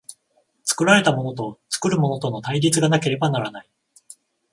作られたものと作るものとの対立がなければならない。